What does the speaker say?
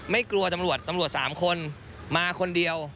ไม่กลัวตำรวจตำรวจสามคนมาคนเดียว